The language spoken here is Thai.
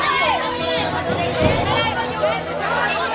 เอ้าไหม